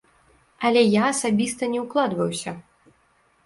Але я асабіста не ўкладваюся!